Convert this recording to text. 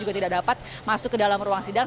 juga tidak dapat masuk ke dalam ruang sidang